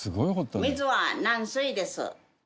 水は軟水です。